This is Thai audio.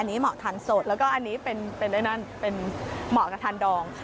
อ๋ออันนี้เหมาะทานสดแล้วก็อันนี้เป็นอะไรนั่นเหมาะกับทานดอง